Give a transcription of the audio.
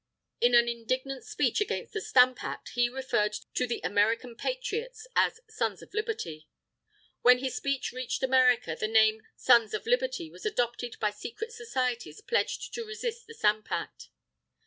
In an indignant speech against the Stamp Act, he referred to the American Patriots as "Sons of Liberty." When his speech reached America, the name "Sons of Liberty" was adopted by secret societies pledged to resist the Stamp Act.